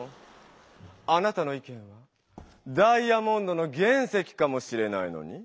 あなたの意見はダイヤモンドの原石かもしれないのに！